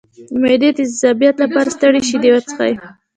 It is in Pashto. د معدې د تیزابیت لپاره سړې شیدې وڅښئ